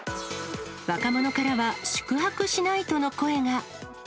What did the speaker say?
若者からは宿泊しないとの声が。